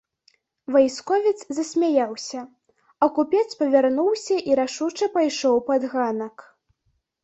Вайсковец засмяяўся, а купец павярнуўся і рашуча пайшоў пад ганак.